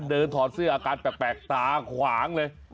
ถอดเสื้ออาการแปลกตาขวางเลย